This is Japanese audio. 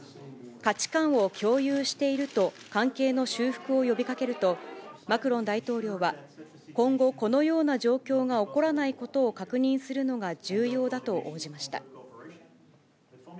価値観を共有していると、関係の修復を呼びかけると、マクロン大統領は今後、このような状況が起こらないことを確認するのが重要だと応じました。